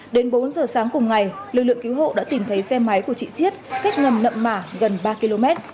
đến bốn giờ sáng cùng ngày lực lượng cứu hộ đã tìm thấy xe máy của chị siết cách ngầm nậm mả gần ba km